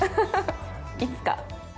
いつか。